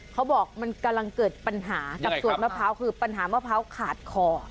เขาบอกมันกำลังเกิดปัญหากับสวนมะพร้าวคือปัญหามะพร้าวขาดคอ